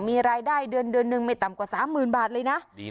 มีรายได้เดือนเดือนหนึ่งไม่ต่ำกว่า๓๐๐๐บาทเลยนะ